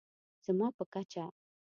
زما په کچه